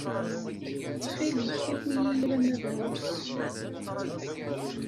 Ttxil-k awi-yi alamma d ɣur-s.